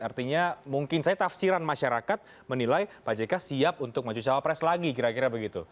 artinya mungkin saya tafsiran masyarakat menilai pak jk siap untuk maju cawapres lagi kira kira begitu